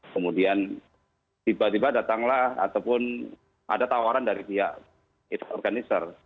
kemudian tiba tiba datanglah ataupun ada tawaran dari pihak organizer